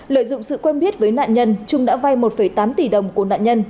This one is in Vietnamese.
lợi dụng sự quen biết với nạn nhân trung đã vay một tám tỷ đồng của nạn nhân